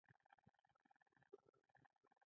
دا دې اخر ځل وي چې داسې کار کوې